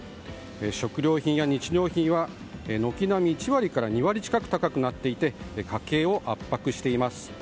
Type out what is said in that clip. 食料品や日用品は１割から２割近く高くなっていて家計を圧迫しています。